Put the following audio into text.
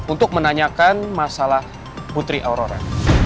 untuk menanyakan masalah putri aurora